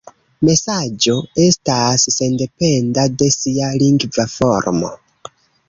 Mesaĝo estas sendependa de sia lingva formo.